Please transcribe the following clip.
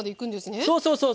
そうそうそうそう。